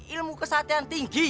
ilmu kesatian tinggi